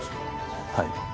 はい。